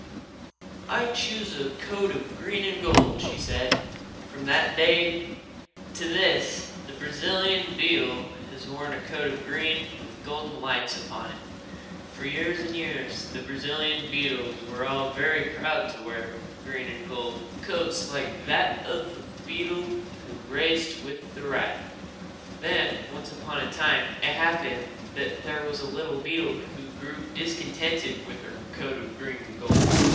"I choose a coat of green and gold," she said. From that day to this the Brazilian beetle has worn a coat of green with golden lights upon it. For years and years the Brazilian beetles were all very proud to wear green and gold coats like that of the beetle who raced with the rat. Then, once upon a time, it happened that there was a little beetle who grew discontented with her coat of green and gold.